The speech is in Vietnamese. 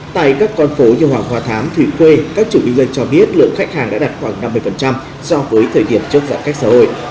tại các con phố như hoàng hoa thám thủy khuê các chủ nhân dân cho biết lượng khách hàng đã đạt khoảng năm mươi so với thời điểm trước giãn cách xã hội